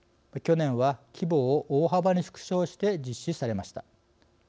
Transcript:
去年は規模を大幅に縮小して実施されました。